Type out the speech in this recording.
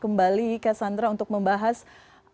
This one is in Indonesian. kembali cassandra untuk membahas nantikan analisishrim usung proses